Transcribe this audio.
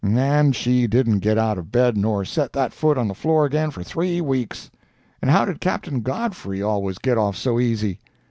And she didn't get out of bed nor set that foot on the floor again for three weeks. And how did Captain Godfrey always get off so easy?